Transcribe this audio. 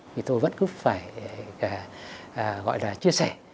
thì tôi vẫn cứ phải gọi là chia sẻ